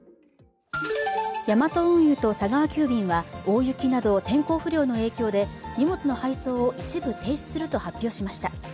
ヤマト運輸と佐川急便は大雪など天候不良の影響で荷物の配送を一部停止すると発表しました。